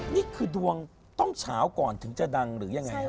นี่คือดวงต้องเฉาก่อนถึงจะดังหรือยังไง